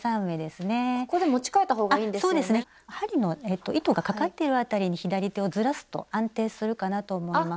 針の糸がかかっているあたりに左手をずらすと安定するかなと思います。